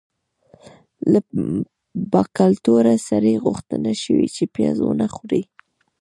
له باکلتوره سړي غوښتنه شوې چې پیاز ونه خوري.